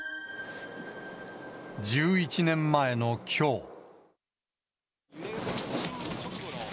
１１年前のきょう。